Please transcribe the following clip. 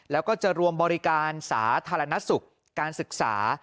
แล้วก็จะรวมบริการสาธารณสุขการศึกษา